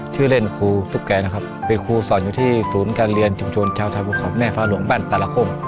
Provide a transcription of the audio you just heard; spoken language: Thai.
ชื่อเล่นครูตุ๊กแกนะครับเป็นครูสอนอยู่ที่ศูนย์การเรียนชุมชนชาวไทยภูเขาแม่ฟ้าหลวงบ้านตาละโค้ง